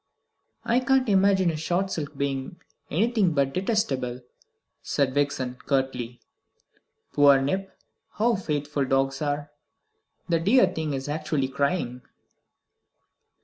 "I can't imagine a shot silk being anything but detestable," said Vixen curtly. "Poor Nip! How faithful dogs are! The dear thing is actually crying!"